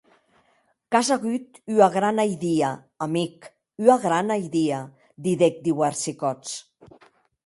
Qu’as auut ua grana idia, amic, ua grana idia, didec diuèrsi còps.